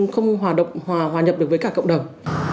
không hòa nhập được với cả cộng đồng